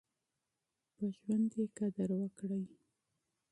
په ژوند يې قدر وکړئ.